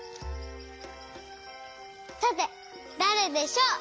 さてだれでしょう？